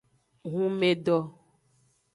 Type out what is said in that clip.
Hunmedo.